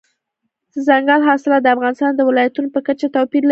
دځنګل حاصلات د افغانستان د ولایاتو په کچه توپیر لري.